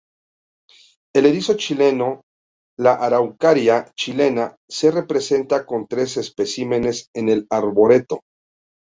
El "erizo chileno", la araucaria chilena, se representa con tres especímenes en el arboreto.